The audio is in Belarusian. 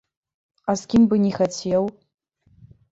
А з кім бы не хацеў?